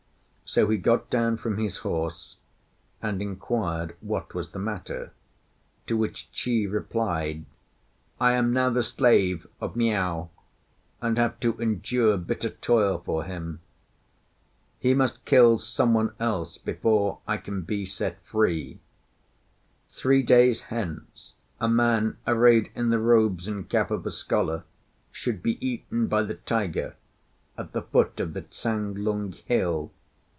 So he got down from his horse, and inquired what was the matter; to which Chi replied, "I am now the slave of Miao, and have to endure bitter toil for him. He must kill some one else before I can be set free. Three days hence a man, arrayed in the robes and cap of a scholar, should be eaten by the tiger at the foot of the Ts'ang lung Hill.